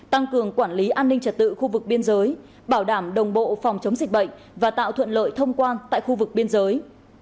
tăng cường quản lý an ninh trật tự khu vực biên giới bảo đảm đồng bộ phòng chống dịch bệnh và tạo thuận lợi thông quan tại khu vực biên giới